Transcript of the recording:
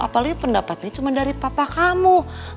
apalagi pendapatnya cuma dari papa kamu